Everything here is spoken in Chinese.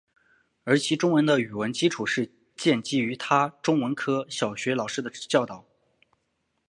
而其中文的语文基础是建基于他中文科小学老师的教导。